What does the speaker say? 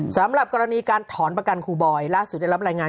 สำหรับกรณีการถอนประกันครูบอยล่าสุดได้รับรายงาน